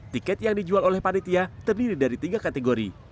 tiket yang dijual oleh panitia terdiri dari tiga kategori